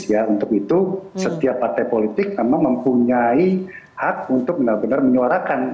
ya untuk itu setiap partai politik memang mempunyai hak untuk benar benar menyuarakan